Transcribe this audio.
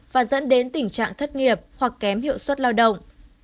và dẫn đến tình trạng thất nghiệp hoặc kém hiệu suất lao động